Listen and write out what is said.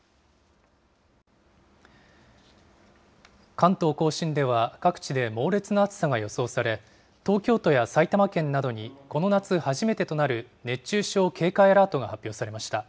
関東甲信では、各地で猛烈な暑さが予想され、東京都や埼玉県などにこの夏初めてとなる熱中症警戒アラートが発表されました。